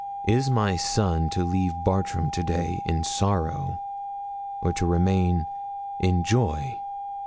Is my son to leave Bartram to day in sorrow, or to remain in joy?